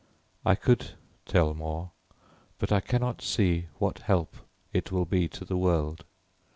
I could tell more, but I cannot see what help it will be to the world.